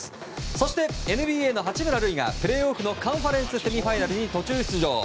そして、ＮＢＡの八村塁がプレーオフのカンファレンスセミファイナルに途中出場。